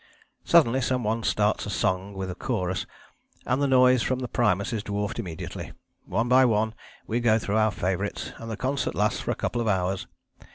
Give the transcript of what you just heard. Suddenly some one starts a song with a chorus, and the noise from the primus is dwarfed immediately. One by one we go through our favourites, and the concert lasts for a couple of hours.